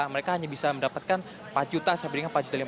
mereka hanya bisa mendapatkan empat juta sampai dengan empat juta lima ratus